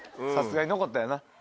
さすがに残ったよな。